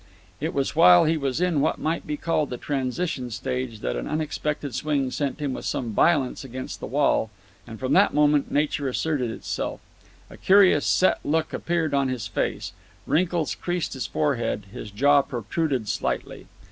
It was while he was in what might be called a transition stage that an unexpected swing sent him with some violence against the wall; and from that moment nature asserted itself. A curious, set look appeared on his face; wrinkles creased his forehead; his jaw protruded slightly.